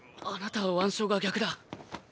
あなたは腕章が逆だ。